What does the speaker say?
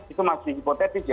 itu masih hipotetik ya